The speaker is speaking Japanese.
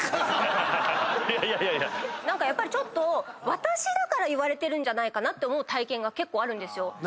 私だから言われてるんじゃないかなって思う体験が結構あるんですよ。